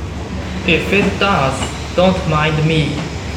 If it does, don't mind me.